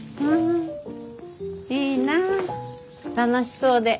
いいなぁ楽しそうで。